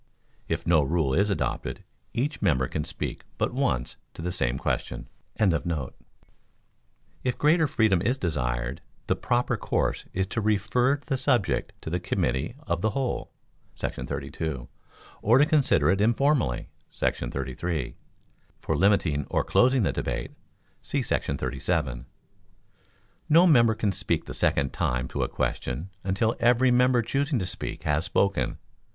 If no rule is adopted, each member can speak but once to the same question.] If greater freedom is desired, the proper course is to refer the subject to the committee of the whole [§ 32], or to consider it informally [§ 33]. [For limiting or closing the debate, see § 37.] No member can speak the second time to a question, until every member choosing to speak has spoken.